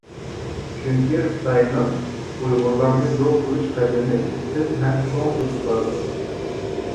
چۈنكى خىتاينىڭ ئۇيغۇرلارنى يوق قىلىش قەدىمى تېز ھەم چوڭ كېتىپ بارىدۇ.